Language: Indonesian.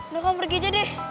do kamu pergi aja deh